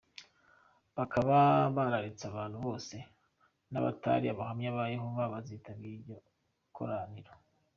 Bakaba bararitse abantu bose n’abatari abahamya ba Yehova kuzitabira iryo koraniro.